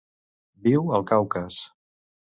Viu al Caucas.